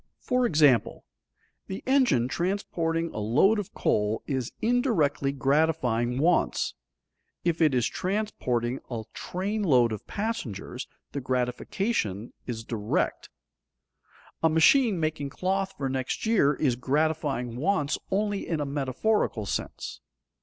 For example, the engine transporting a load of coal is indirectly gratifying wants; if it is transporting a train load of passengers, the gratification is direct. A machine making cloth for next year is gratifying wants only in a metaphorical sense.